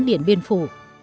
điện biên phủ